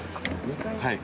はい。